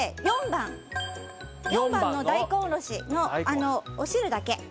４番の大根おろしのあのお汁だけ。